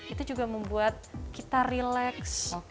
itu juga membuat kita relax